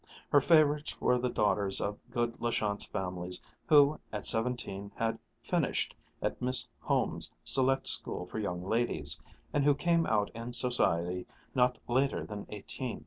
Her favorites were the daughters of good La Chance families who at seventeen had "finished" at Miss Home's Select School for Young Ladies, and who came out in society not later than eighteen.